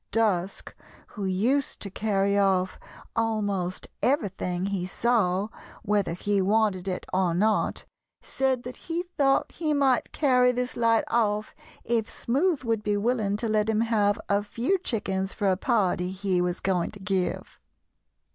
Dusk, who used to carry off almost everything he saw, whether he wanted it or not, said that he thought he might carry this light off if Smoothe would be willing to let him have a few chickens for a party he was going to give.